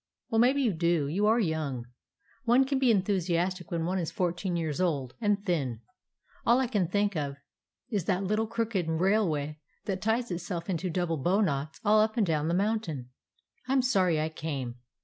"Well, maybe you do ; you are young. One can be enthusiastic when one is fourteen years old, and thin. All I can think of is that little crooked railway that ties itself into double bow knots all up and down the mountain. I 'm sorry I came.